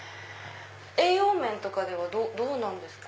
栄養面とかではどうなんですか？